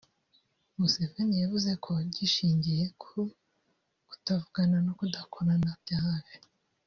Museveni yavuze ko gishingiye ku kutavugana no kudakorana bya hafi